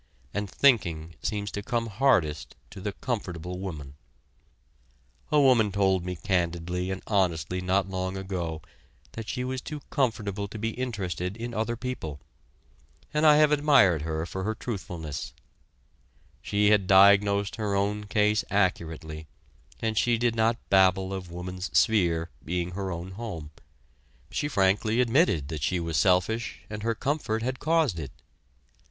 And thinking seems to come hardest to the comfortable woman. A woman told me candidly and honestly not long ago that she was too comfortable to be interested in other people, and I have admired her for her truthfulness; she had diagnosed her own case accurately, and she did not babble of woman's sphere being her own home she frankly admitted that she was selfish, and her comfort had caused it.